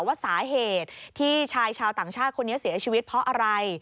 ว่าสาเหตุที่ชายชาวต่างชาติคนนี้เสียชีวิตเพราะอะไร